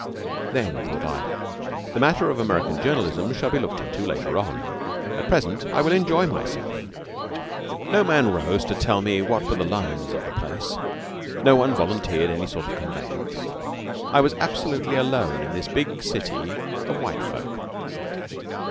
Then, thought I, "the matter of American journalism shall be looked into later on. At present I will enjoy myself." No man rose to tell me what were the lions of the place. No one volunteered any sort of conveyance. I was absolutely alone in this big city of white folk.